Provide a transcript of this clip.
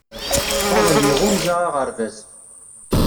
Faḍel yeɣɣunza aɣerbaz